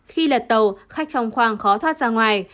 khi lật tàu khách trong khoang khó thoát ra ngoài